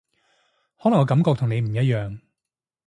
可能個感覺同你唔一樣